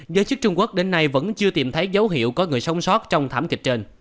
giới chức trung quốc đến nay vẫn chưa tìm thấy dấu hiệu có người sống sót trong thảm kịch trên